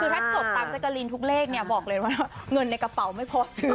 คือถ้าจดตามแจ๊กกะลีนทุกเลขเนี่ยบอกเลยว่าเงินในกระเป๋าไม่โพสต์ชื่อ